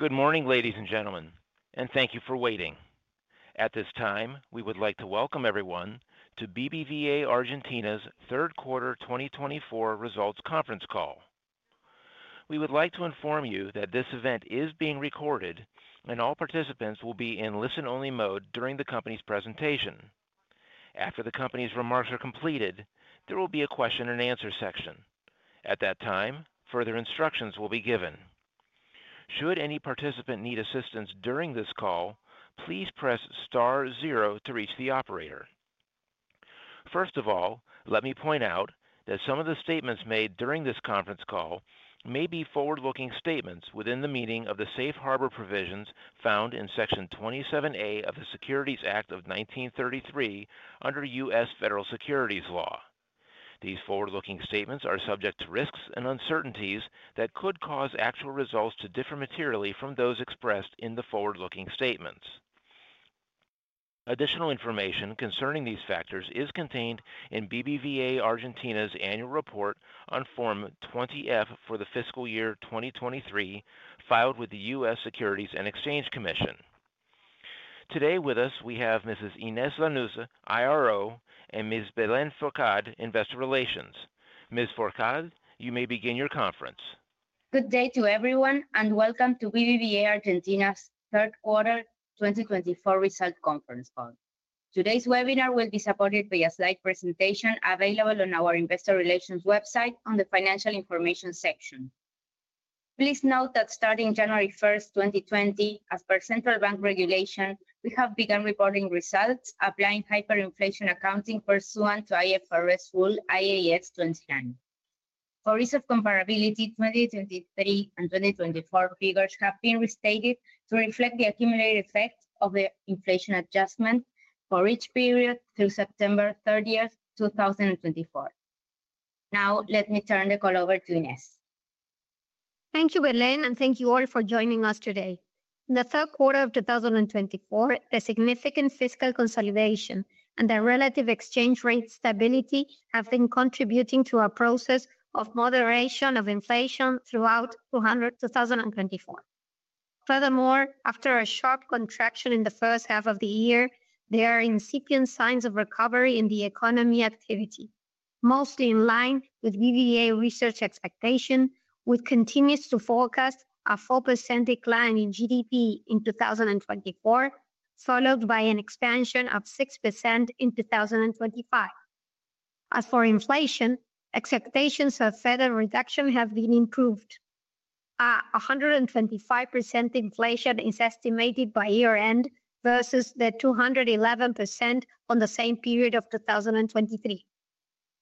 Good morning, ladies and gentlemen, and thank you for waiting. At this time, we would like to welCme everyone to BBVA Argentina's Q3 2024 results conference call. We would like to inform you that this event is being recorded, and all participants will be in listen-only mode during the company's presentation. After the company's remarks are completed, there will be a question-and-answer section. At that time further instructions will be given. Should any participant need assistance during this call, please press star zero to reach the operator. First of all, let me point out that some of the statements made during this conference call may be forward-looking statements within the meaning of the safe harbor provisions found in section 27A of the Securities Act of 1933 under U.S. federal securities law. These forward-looking statements are subject to risks and uncertainties that could cause actual results to differ materially from those expressed in the forward-looking statements. Additional information concerning these factors is contained in BBVA Argentina's annual report on Form 20-F for the fiscal year 2023 filed with the U.S. Securities and Exchange Commission. Today with us, we have Mrs., Investor Relations Officer, and Ms. Belén Fourcade, Investor Relations. Ms. Fourcade, you may begin your conference. Good day to everyone, and welcome to BBVA Argentina's third quarter 2024 results conference call. Today's webinar will be supported by a slide presentation available on our Investor Relations website on the financial information section. Please note that starting January 1st, 2020, as per Central Bank regulation, we have begun reporting results applying hyperinflation accounting pursuant to IFRS Rule IAS 29. For ease of comparability, 2023 and 2024 figures have been restated to reflect the accumulated effect of the inflation adjustment for each period through September 30th, 2024. Now, let me turn the call over to Inés. Thank you, Belén, and thank you all for joining us today. In the third quarter of 2024, the significant fiscal consolidation and the relative exchange rate stability have been contributing to a process of moderation of inflation throughout 2024. Furthermore, after a sharp contraction in the first half of the year, there are incipient signs of recovery in the economic activity, mostly in line with BBVA Research expectation, which continues to forecast a 4% decline in GDP in 2024, followed by an expansion of 6% in 2025. As for inflation, expectations of further reduction have been improved. A 125% inflation is estimated by year-end versus the 211% on the same period of 2023.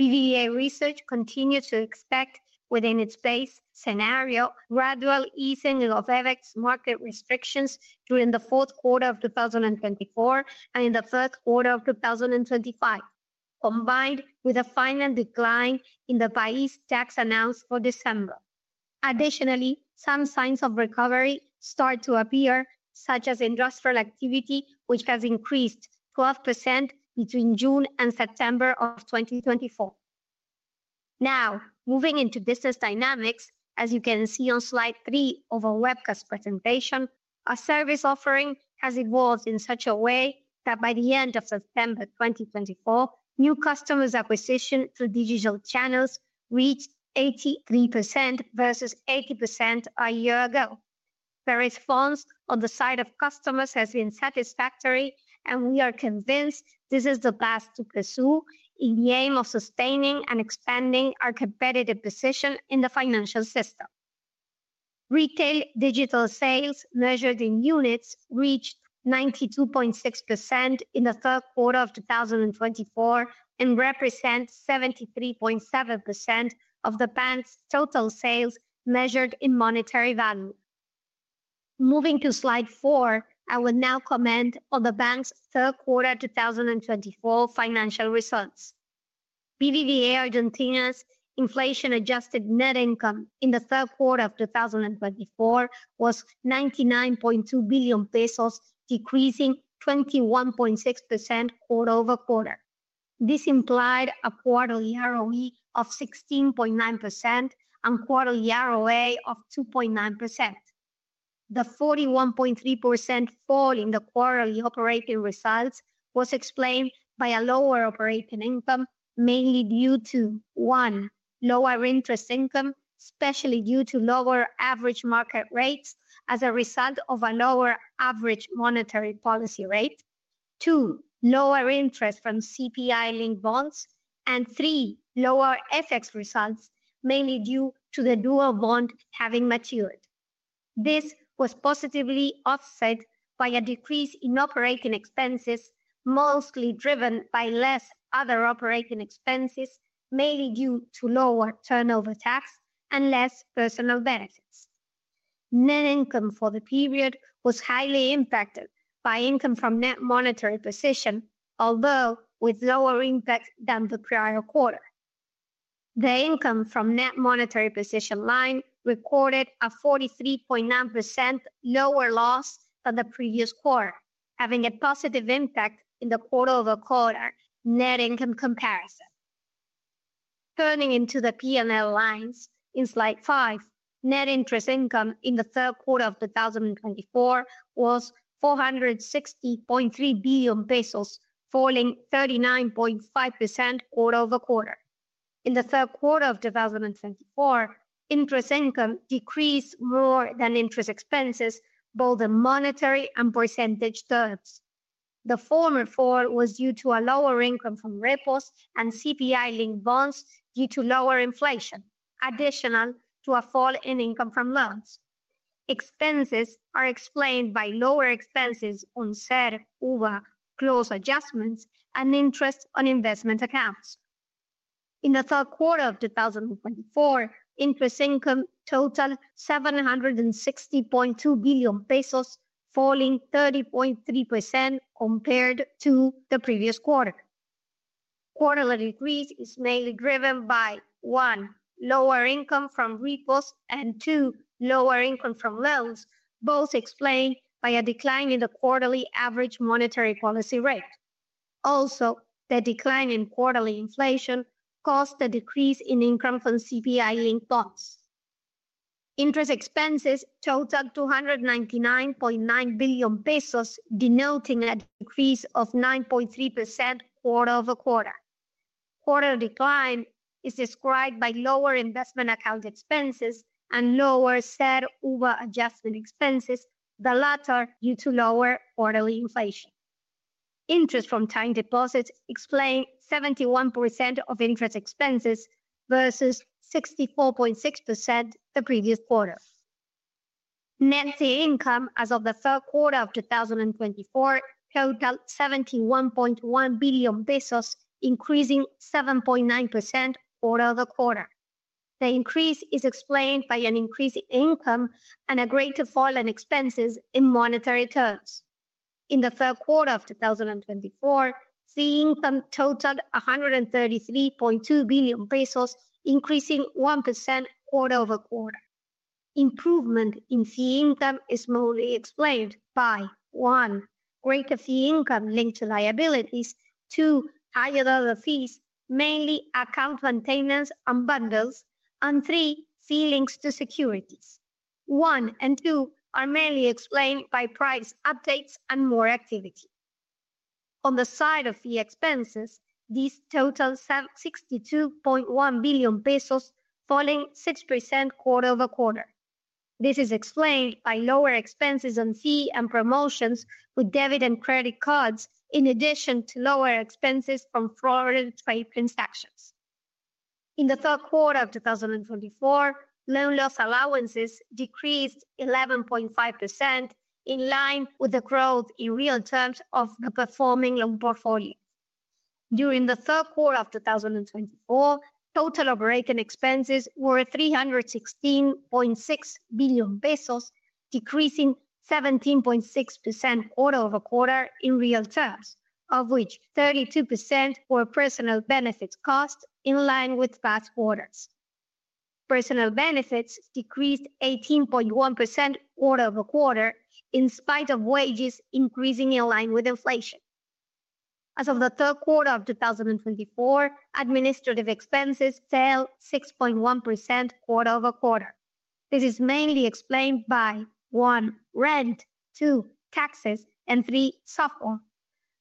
BBVA Research continues to expect, within its base scenario, gradual easing of FX market restrictions during the fourth quarter of 2024 and in the third quarter of 2025, combined with a final decline in the PAIS tax announced for December. Additionally, some signs of recovery start to appear, such as industrial activity, which has increased 12% between June and September of 2024. Now, moving into business dynamics, as you can see on slide three of our webcast presentation, our service offering has evolved in such a way that by the end of September 2024, new customers' acquisition through digital channels reached 83% versus 80% a year ago. The response on the side of customers has been satisfactory, and we are convinced this is the path to pursue in the aim of sustaining and expanding our competitive position in the financial system. Retail digital sales measured in units reached 92.6% in the third quarter of 2024 and represent 73.7% of the bank's total sales measured in monetary value. Moving to slide four, I will now comment on the bank's third quarter 2024 financial results. BBVA Argentina's inflation-adjusted net income in the third quarter of 2024 was 99.2 billion pesos, decreasing 21.6% quarter over quarter. This implied a quarterly ROE of 16.9% and quarterly ROA of 2.9%. The 41.3% fall in the quarterly operating results was explained by a lower operating income, mainly due to: one, lower interest income, especially due to lower average market rates as a result of a lower average monetary policy rate, two, lower interest from CPI-linked bonds, and three, lower FX results, mainly due to the dual bond having matured. This was positively offset by a decrease in operating expenses, mostly driven by less other operating expenses, mainly due to lower turnover tax and less personnel benefits. Net fee income for the period was highly impacted by income from net monetary position, although with lower impact than the prior quarter. The income from net monetary position line recorded a 43.9% lower loss than the previous quarter, having a positive impact in the quarter-over-quarter net income comparison. Turning to the P&L lines in slide five, net interest income in the third quarter of 2024 was 460.3 billion pesos, falling 39.5% quarter over quarter. In the third quarter of 2024, interest income decreased more than interest expenses, both in monetary and percentage terms. The former fall was due to a lower income from repos and CPI-linked bonds due to lower inflation, additional to a fall in income from loans. Expenses are explained by lower expenses on CER, UVA loans adjustments, and interest on investment accounts. In the third quarter of 2024, interest income totaled 760.2 billion pesos, falling 30.3% compared to the previous quarter. Quarterly decrease is mainly driven by: one, lower income from repos; and two, lower income from loans, both explained by a decline in the quarterly average monetary policy rate. Also, the decline in quarterly inflation caused a decrease in income from CPI-linked bonds. Interest expenses totaled 299.9 billion pesos, denoting a decrease of 9.3% quarter over quarter. Quarterly decline is described by lower investment account expenses and lower CER, UVA adjustment expenses, the latter due to lower quarterly inflation. Interest from time deposits explained 71% of interest expenses versus 64.6% the previous quarter. Net Income as of the third quarter of 2024 totaled 71.1 billion pesos, increasing 7.9% quarter over quarter. The increase is explained by an increase in income and a greater fall in expenses in monetary terms. In the third quarter of 2024, CER income totaled 133.2 billion pesos, increasing 1% quarter over quarter. Improvement in CER income is mostly explained by: one, greater CER income linked to liabilities; two, higher level fees, mainly account maintenance and bundles; and three, fees linked to securities. One and two are mainly explained by price updates and more activity. On the side of CER expenses, these totaled 62.1 billion pesos, falling 6% quarter over quarter. This is explained by lower expenses on fees and promotions with debit and credit cards, in addition to lower expenses from foreign trade transactions. In the third quarter of 2024, loan loss allowances decreased 11.5%, in line with the growth in real terms of the performing loan portfolio. During the third quarter of 2024, total operating expenses were 316.6 billion pesos, decreasing 17.6% quarter over quarter in real terms, of which 32% were personal benefits costs, in line with past quarters. Personal benefits decreased 18.1% quarter over quarter, in spite of wages increasing in line with inflation. As of the third quarter of 2024, administrative expenses fell 6.1% quarter over quarter. This is mainly explained by: one, rent, two, taxes, and three, software.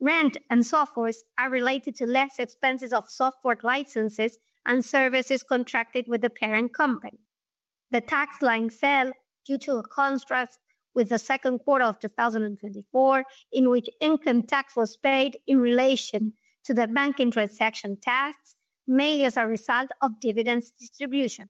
Rent and software are related to less expenses of software licenses and services contracted with the parent company. The tax line fell due to a contrast with the second quarter of 2024, in which income tax was paid in relation to the bank interest section tax, mainly as a result of dividends distribution.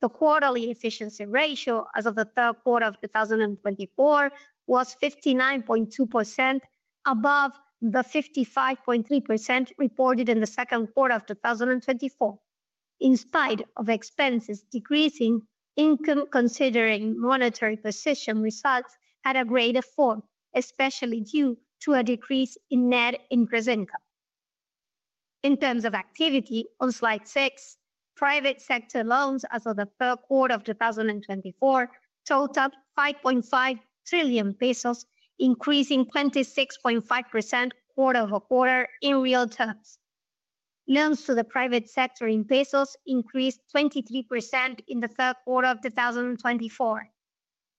The quarterly efficiency ratio as of the third quarter of 2024 was 59.2%, above the 55.3% reported in the second quarter of 2024. In spite of expenses decreasing, income considering monetary position results had a greater fall, especially due to a decrease in net interest income. In terms of activity, on slide six, private sector loans as of the third quarter of 2024 totaled 5.5 trillion pesos, increasing 26.5% quarter over quarter in real terms. Loans to the private sector in pesos increased 23% in the third quarter of 2024.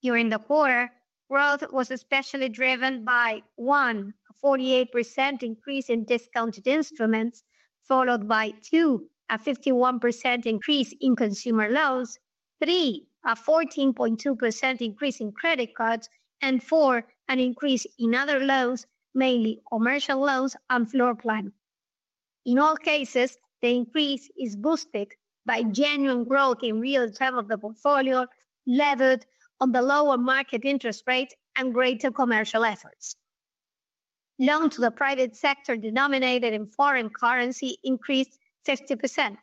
During the quarter, growth was especially driven by: one, a 48% increase in discounted instruments, followed by: two, a 51% increase in consumer loans; three, a 14.2% increase in credit cards; and four, an increase in other loans, mainly commercial loans and floor plan. In all cases, the increase is boosted by genuine growth in real terms of the portfolio, levered on the lower market interest rate and greater commercial efforts. Loans to the private sector denominated in foreign currency increased 60%.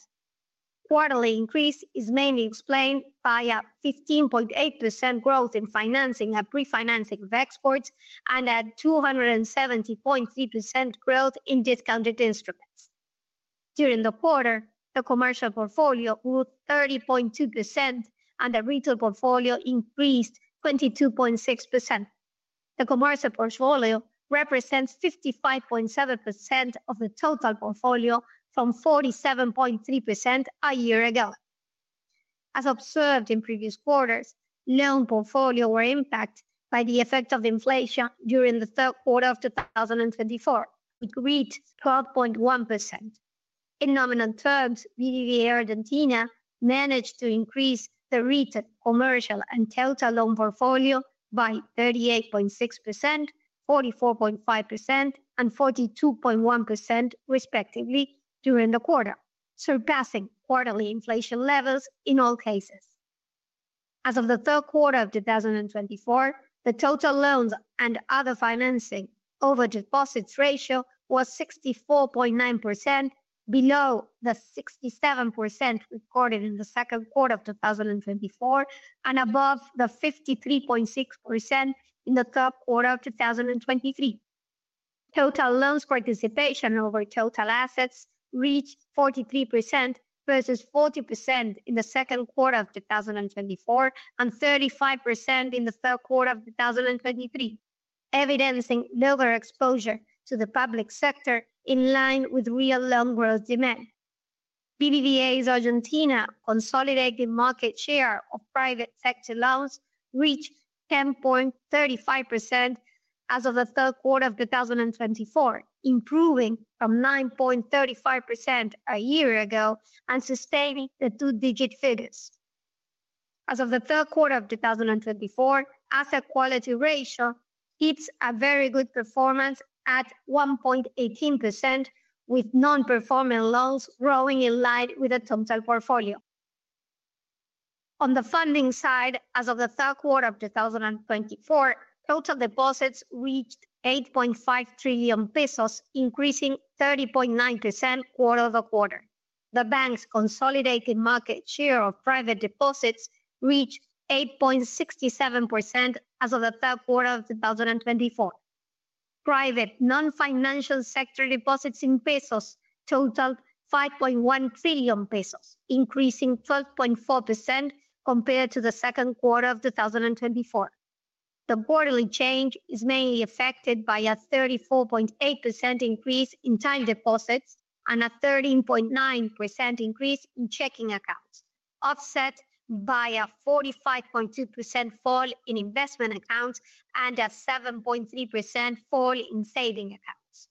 Quarterly increase is mainly explained by a 15.8% growth in financing and pre-financing of exports and a 270.3% growth in discounted instruments. During the quarter, the commercial portfolio grew 30.2% and the retail portfolio increased 22.6%. The commercial portfolio represents 55.7% of the total portfolio from 47.3% a year ago. As observed in previous quarters, loan portfolios were impacted by the effect of inflation during the third quarter of 2024, which reached 12.1%. In nominal terms, BBVA Argentina managed to increase the retail, commercial, and total loan portfolio by 38.6%, 44.5%, and 42.1%, respectively, during the quarter, surpassing quarterly inflation levels in all cases. As of the third quarter of 2024, the total loans and other financing over deposits ratio was 64.9%, below the 67% recorded in the second quarter of 2024 and above the 53.6% in the third quarter of 2023. Total loans participation over total assets reached 43% versus 40% in the second quarter of 2024 and 35% in the third quarter of 2023, evidencing lower exposure to the public sector in line with real loan growth demand. BBVA Argentina's consolidated market share of private sector loans reached 10.35% as of the third quarter of 2024, improving from 9.35% a year ago and sustaining the two-digit figures. As of the third quarter of 2024, asset quality ratio hits a very good performance at 1.18%, with non-performing loans growing in line with the total portfolio. On the funding side, as of the third quarter of 2024, total deposits reached 8.5 trillion pesos, increasing 30.9% quarter over quarter. The bank's consolidated market share of private deposits reached 8.67% as of the third quarter of 2024. Private non-financial sector deposits in pesos totaled 5.1 trillion pesos, increasing 12.4% compared to the second quarter of 2024. The quarterly change is mainly affected by a 34.8% increase in time deposits and a 13.9% increase in checking accounts, offset by a 45.2% fall in investment accounts and a 7.3% fall in savings accounts.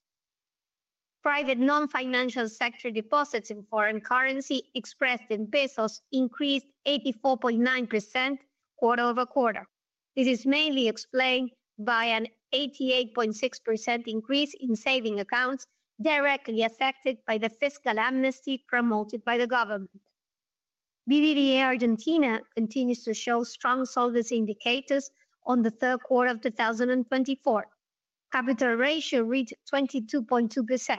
Private non-financial sector deposits in foreign currency expressed in pesos increased 84.9% quarter over quarter. This is mainly explained by an 88.6% increase in savings accounts directly affected by the fiscal amnesty promoted by the government. BBVA Argentina continues to show strong solvency indicators on the third quarter of 2024. Capital ratio reached 22.2%.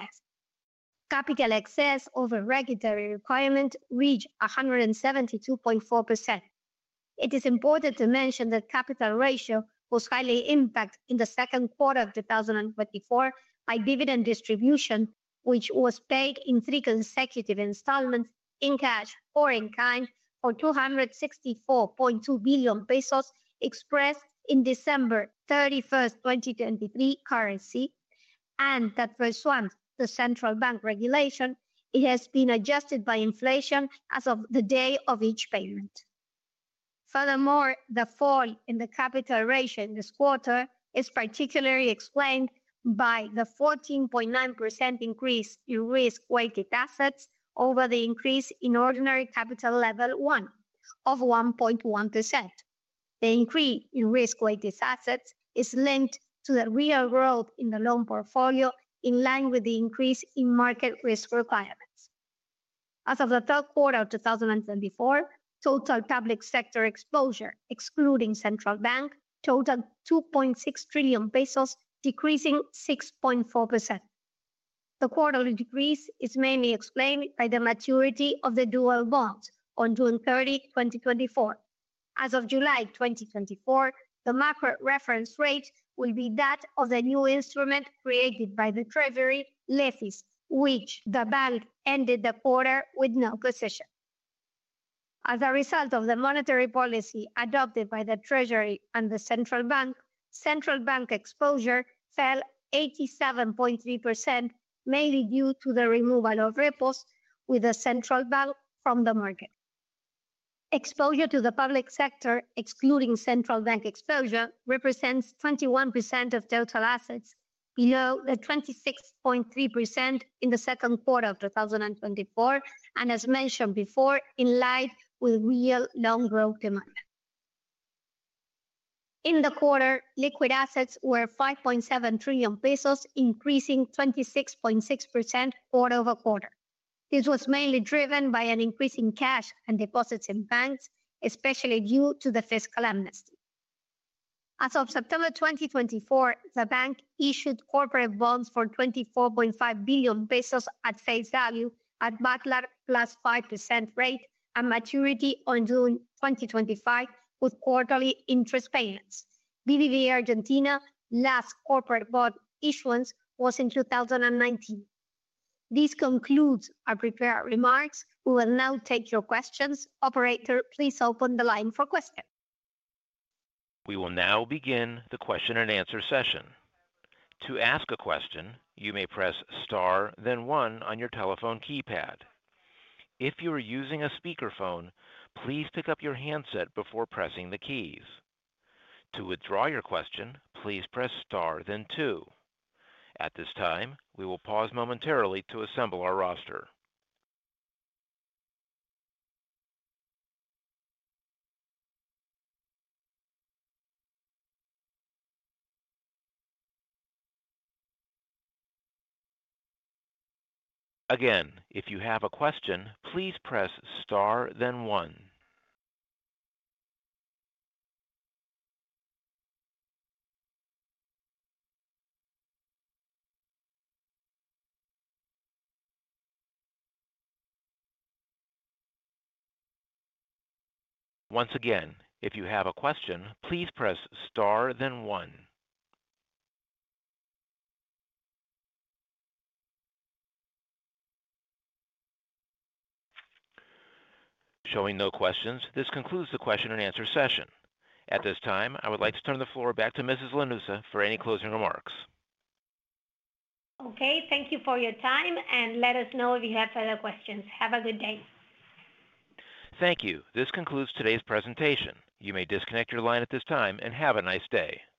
Capital excess over regulatory requirement reached 172.4%. It is important to mention that capital ratio was highly impacted in the second quarter of 2024 by dividend distribution, which was paid in three consecutive installments in cash or in kind for 264.2 billion pesos expressed in December 31, 2023 currency, and that the Central Bank regulation. It has been adjusted by inflation as of the day of each payment. Furthermore, the fall in the capital ratio in this quarter is particularly explained by the 14.9% increase in risk-weighted assets over the increase in ordinary capital level one of 1.1%. The increase in risk-weighted assets is linked to the real growth in the loan portfolio, in line with the increase in market risk requirements. As of the third quarter of 2024, total public sector exposure, excluding Central Bank, totaled 2.6 trillion pesos, decreasing 6.4%. The quarterly decrease is mainly explained by the maturity of the dual bonds on June 30, 2024. As of July 2024, the macro reference rate will be that of the new instrument created by the Treasury, LEFIs, which the bank ended the quarter with no position. As a result of the monetary policy adopted by the Treasury and the Central Bank, Central Bank exposure fell 87.3%, mainly due to the removal of repos with the Central Bank from the market. Exposure to the public sector, excluding Central Bank exposure, represents 21% of total assets, below the 26.3% in the second quarter of 2024, and as mentioned before, in line with real loan growth demand. In the quarter, liquid assets were 5.7 trillion pesos, increasing 26.6% quarter over quarter. This was mainly driven by an increase in cash and deposits in banks, especially due to the fiscal amnesty. As of September 2024, the bank issued corporate bonds for 24.5 billion pesos at face value at Badlar plus 5% rate and maturity on June 2025, with quarterly interest payments. BBVA Argentina's last corporate bond issuance was in 2019. This concludes our prepared remarks. We will now take your questions. Operator, please open the line for questions. We will now begin the question and answer session. To ask a question, you may press star, then one on your telephone keypad. If you are using a speakerphone, please pick up your handset before pressing the keys. To withdraw your question, please press star, then two. At this time, we will pause momentarily to assemble our roster. Again, if you have a question, please press star, then one. Once again, if you have a question, please press star, then one. Showing no questions, this concludes the question and answer session. At this time, I would like to turn the floor back to Mrs. Lanusse for any closing remarks. Okay, thank you for your time, and let us know if you have further questions. Have a good day. Thank you. This concludes today's presentation. You may disconnect your line at this time and have a nice day.